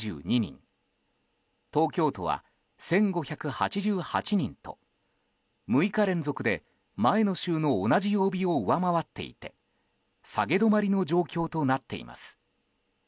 東京都は１５８８人と６日連続で前の週の同じ曜日を上回っていて下げ止まりの状況となっています。